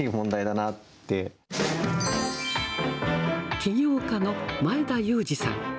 起業家の前田裕二さん。